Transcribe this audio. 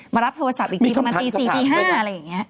มารับโทรศัพท์อีกทีมาตีสี่ตีห้าอะไรอย่างเงี้ย